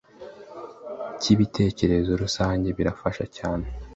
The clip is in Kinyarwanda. cyibitekerezo rusange birafasha cyane